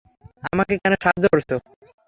আমাকে কেন সাহায্য করছো?